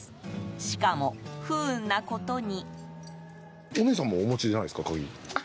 しかも、不運なことに。